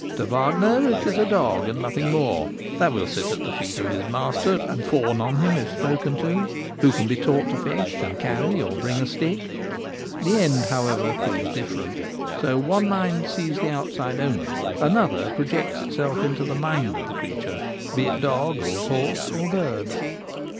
To Wagner it is a dog and nothing more — that will sit at the feet of his master and fawn on him if spoken to, who can be taught to fetch and carry or bring a stick ; the end, however, proves different. So one mind sees the outside only ; another projects itself into the mind of the creature, be it dog or horse or bird.